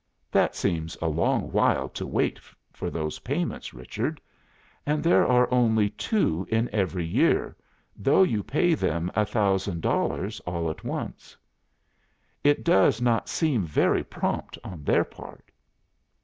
That seems a long while to wait for those payments, Richard. And there are only two in every year, though you pay them a thousand dollars all at once. It does not seem very prompt on their part.